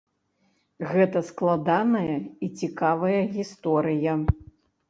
Гэта складаная і цікавая гісторыя.